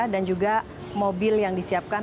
dan juga mobil yang disiapkan